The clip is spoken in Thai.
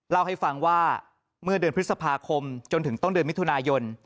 เล่าให้ฟังว่าเมื่อเดือนพฤษภาคมจนถึงต้นเดือนมิถุนายน